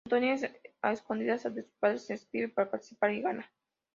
Antonia a escondidas de sus padres, se inscribe para participar y gana.